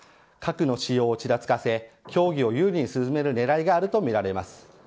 核の使用をちらつかせ協議を有利に進める狙いがあるとみられます。